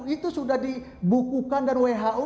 itu sudah dibukukan dan who